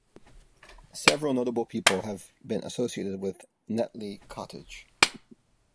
Several notable people have been associated with Netley Cottage.